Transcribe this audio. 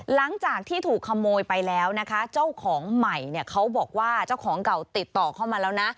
หลังจากที่ถูกขโมยไปแล้วนะคะเจ้าของใหม่เนี่ยเขาบอกว่าเจ้าของเก่าติดต่อเข้ามาแล้วนะ